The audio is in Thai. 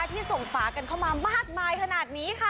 ที่ส่งฝากันเข้ามามากมายขนาดนี้ค่ะ